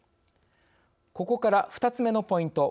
ここから２つ目のポイント。